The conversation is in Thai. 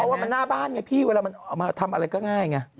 เพราะว่ามันหน้าบ้านไงพี่เวลามันเอามาทำอะไรก็ง่ายไง